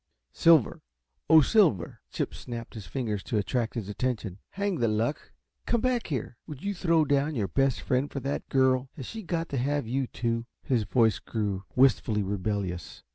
"Silver oh, Silver!" Chip snapped his fingers to attract his attention. "Hang the luck, come back here! Would you throw down your best friend for that girl? Has she got to have you, too?" His voice grew wistfully rebellious.